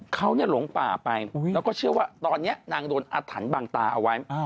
เขาหลงป่าไปแล้วก็เชื่อว่าตอนนี้นางโดนอาถรรพ์บางตาเอาไว้